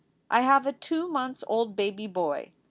I have a 2 months Old baby boy.